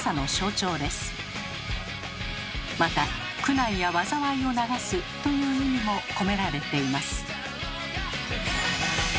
また「苦難や災いを流す」という意味も込められています。